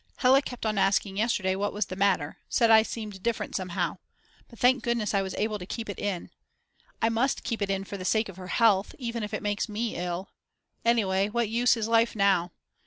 Hella kept on asking yesterday what was the matter, said I seemed different somehow. But thank goodness I was able to keep it in. I must keep it in for the sake of her health, even if it makes me ill. Anyway what use is life now.